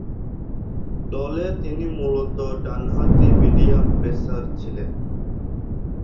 দলে তিনি মূলতঃ ডানহাতি মিডিয়াম-পেসার ছিলেন।